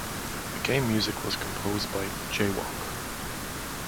The game music was composed by J-Walk.